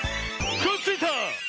くっついた！